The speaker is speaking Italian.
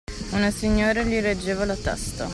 Una signora gli reggeva la testa.